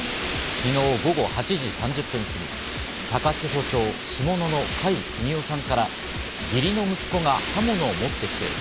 昨日午後８時３０分すぎ、高千穂町下野の甲斐邦雄さんから義理の息子が刃物を持ってきている。